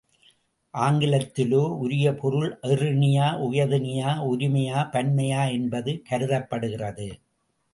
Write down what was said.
ஆங்கிலத்திலோ, உரிய பொருள் அஃறிணையா உயர் திணையா ஒருமையா பன்மையா என்பது கருதப்படுகிறது.